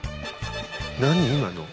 何今の。